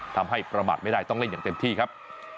ทำให้ประมาทไม่ได้ต้องเล่นอย่างเต็มที่ครับ